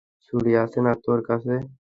ছুড়ি আছে না তোর কাছে?